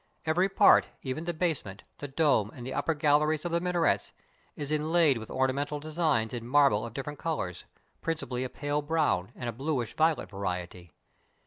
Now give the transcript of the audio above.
Every part — even the basement, the dome, and the upper galleries of the minarets — is inlaid vrith ornamental designs in marble of different colors, principally a pale brown, and a bluish xdolet variety.